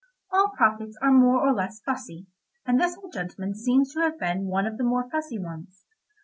All prophets are more or less fussy, and this old gentleman seems to have been one of the more fussy ones.